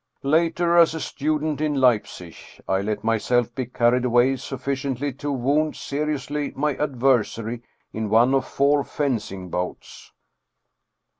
Later, as a student in Leipzig, I let myself be carried away sufficiently to wound seriously my adversary in one of our fencing bouts.